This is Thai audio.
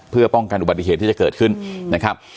เพื่อป้องกันอุบัติเหตุที่จะเกิดขึ้นนะครับ